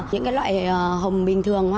những loại hồng bình thường hoa